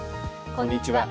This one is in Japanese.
こんにちは。